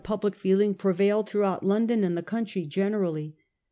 public feeling prevailed throughout London and the country generally.